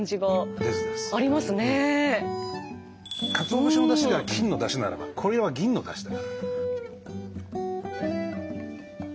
かつお節の出汁が金の出汁ならばこれは銀の出汁だから。